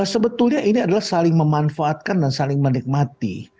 sebetulnya ini adalah saling memanfaatkan dan saling menikmati